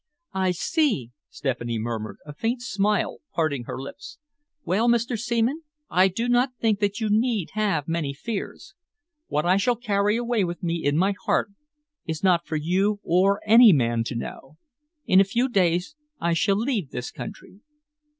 "I see," Stephanie murmured, a faint smile parting her lips. "Well, Mr. Seaman, I do not think that you need have many fears. What I shall carry away with me in my heart is not for you or any man to know. In a few days I shall leave this country."